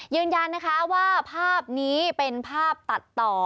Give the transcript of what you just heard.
ยืนยันนะคะว่าภาพนี้เป็นภาพตัดต่อ